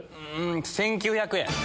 １９００円。